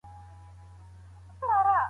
ارزیابي ستاسو کار ته اعتبار ورکوي.